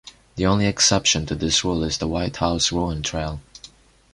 The only exception to this rule is the White House Ruin Trail.